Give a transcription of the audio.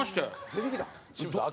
出てきたん？